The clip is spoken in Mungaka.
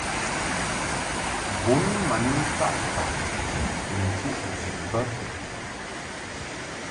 Bun ma ni mfaʼ faʼ ni nchuʼ ji bə.